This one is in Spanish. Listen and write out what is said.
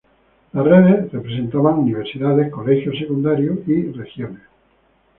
Las redes representaban universidades, colegios secundarios y regiones.